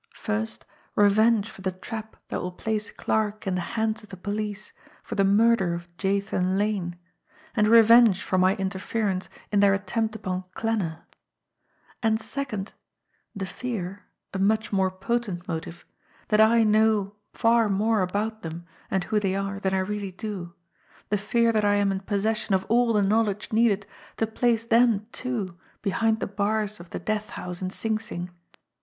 First, revenge for the trap that will place Clarke in the hands of the police for the murder of Jathan Lane, and revenge for my interference in their attempt upon Klan ner; and, second, the fear a much more potent motive that I know far more about them and who they are than I really do, the fear that I am in possession of all the knowledge needed to place them too behind the bars of the death house in Sing Sing.